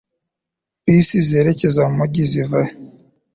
Bisi zerekeza mu mujyi ziva he?